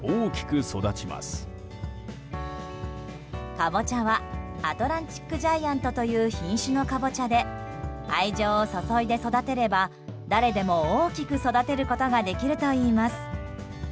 カボチャはアトランチックジャイアントという品種のカボチャで愛情を注いで育てれば誰でも大きく育てることができるといいます。